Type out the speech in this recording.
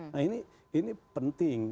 nah ini penting